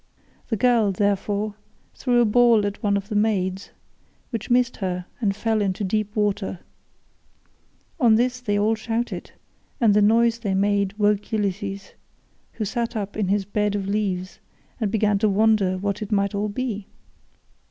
The girl, therefore, threw a ball at one of the maids, which missed her and fell into deep water. On this they all shouted, and the noise they made woke Ulysses, who sat up in his bed of leaves and began to wonder what it might all be.